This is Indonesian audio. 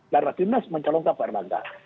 darah dinas mencalonkan pair langga